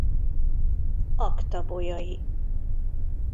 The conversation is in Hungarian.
Acta Bolyai